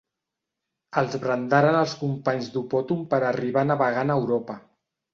Els brandaren els companys d'Opòton per arribar navegant a Europa.